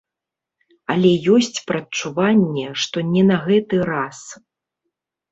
Але ёсць прадчуванне, што не на гэты раз.